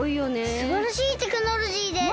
すばらしいテクノロジーです！